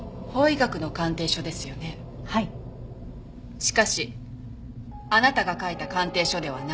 しかしあなたが書いた鑑定書ではない。